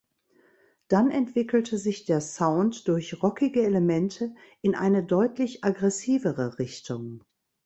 Dann entwickelte sich der Sound durch rockige Elemente in eine deutlich aggressivere Richtung.